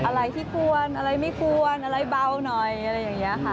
อะไรที่ควรอะไรไม่ควรอะไรเบาหน่อยอะไรอย่างนี้ค่ะ